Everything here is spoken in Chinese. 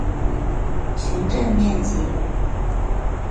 全镇面积。